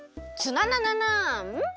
ツナナナナーン？